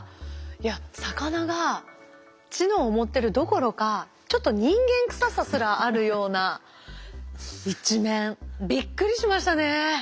いや魚が知能を持ってるどころかちょっと人間臭さすらあるような一面びっくりしましたね。